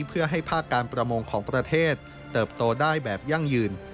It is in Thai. เพื่อให้ภาคการประมงของประเทศเติบโตได้แบบยั่งยืน